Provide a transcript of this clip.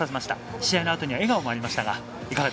試合のあとには笑顔もありました